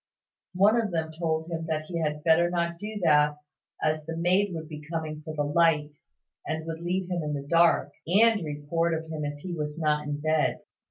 One of them told him that he had better not do that, as the maid would be coming for the light, and would leave him in the dark, and report of him if he was not in bed.